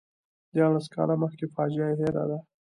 دیارلس کاله مخکې فاجعه یې هېره ده.